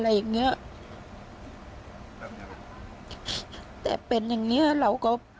แต่มันถือปืนมันไม่รู้นะแต่ตอนหลังมันจะยิงอะไรหรือเปล่าเราก็ไม่รู้นะ